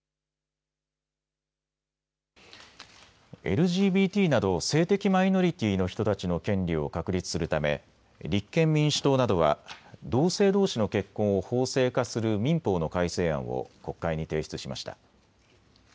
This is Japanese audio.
ＬＧＢＴなど性的マイノリティーの人たちの権利を確立するため立憲民主党などは同性どうしの結婚を法制化する民法の改正案を国会に提出しました。